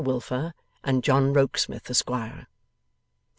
Wilfer, and John Rokesmith Esquire.